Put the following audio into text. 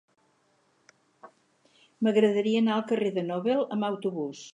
M'agradaria anar al carrer de Nobel amb autobús.